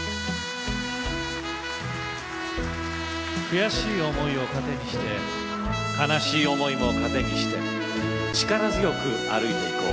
悔しい思いを糧にして悲しい思いも糧にして力強く歩いていこう。